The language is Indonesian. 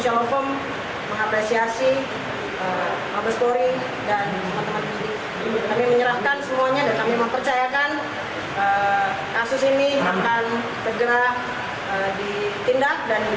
dan kami menyerahkan semuanya dan kami mempercayakan kasus ini akan bergerak di tindak dan di